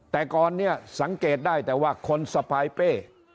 แต่ก่อนเนี่ยสังเกตได้แต่ว่าคนสะพายเป้